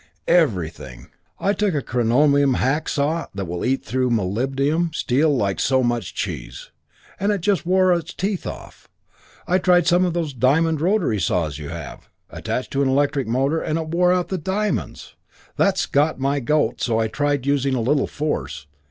"Everything! I took a coronium hack saw that will eat through molybdenum steel like so much cheese, and it just wore its teeth off. I tried some of those diamond rotary saws you have, attached to an electric motor, and it wore out the diamonds. That got my goat, so I tried using a little force.